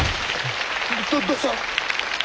どどうした！？